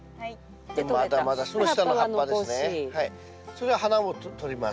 それは花もとります。